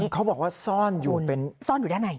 เขาบอกว่าซ่อนอยู่เป็นซ่อนอยู่ด้านใน